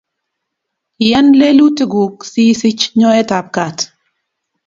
Iyan lelutik kuuk si sich nyoet ab kat